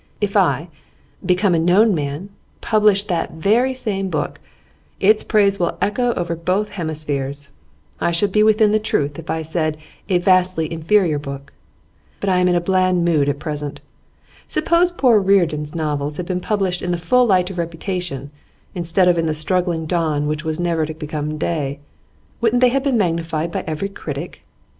If I, become a known man, publish that very same book, its praise will echo over both hemispheres. I should be within the truth if I had said "a vastly inferior book," But I am in a bland mood at present. Suppose poor Reardon's novels had been published in the full light of reputation instead of in the struggling dawn which was never to become day, wouldn't they have been magnified by every critic?